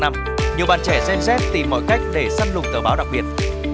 nhiều bạn trẻ xem xét tìm mọi cách để săn lùng tờ báo đặc biệt